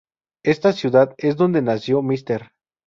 Esta ciudad es donde nació Mr.